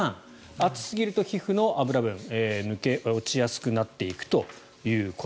熱すぎると皮膚の脂分が抜け落ちやすくなってくると。